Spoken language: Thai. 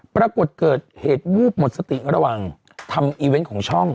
ปรากฏเกิดเหตุวูบหมดสติระหว่างทำอีเวนต์ของช่อง